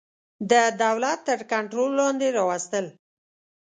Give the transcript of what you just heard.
د دولت تر کنټرول لاندي راوستل.